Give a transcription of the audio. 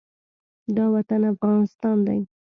دا وطن افغانستان دى.